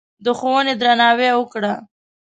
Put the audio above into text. د ښوونې درناوی وکړه.